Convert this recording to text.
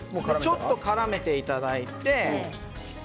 ちょっとからめていただいて。